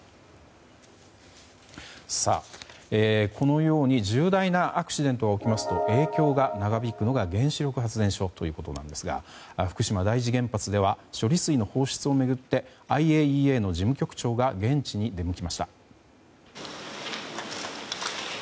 このように重大なアクシデントが起きますと影響が長引くのは原子力発電所ということですが福島第一原発では処理水の放出を巡ってＩＡＥＡの事務局長が現地に到着しました。